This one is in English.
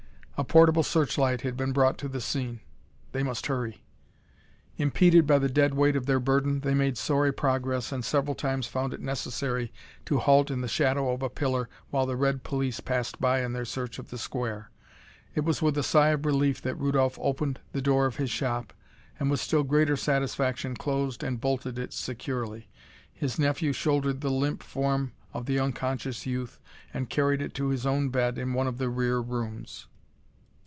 A portable searchlight had been brought to the scene. They must hurry. Impeded by the dead weight of their burden, they made sorry progress and several times found it necessary to halt in the shadow of a pillar while the red police passed by in their search of the Square. It was with a sigh of relief that Rudolph opened the door of his shop and with still greater satisfaction closed and bolted it securely. His nephew shouldered the limp form of the unconscious youth and carried it to his own bed in one of the rear rooms.